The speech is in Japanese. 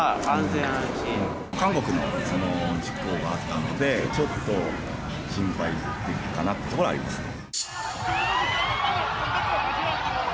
韓国の事故があったので、ちょっと心配かなってところはありますね。